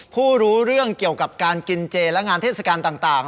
รู้เรื่องเกี่ยวกับการกินเจและงานเทศกาลต่าง